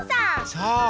そう。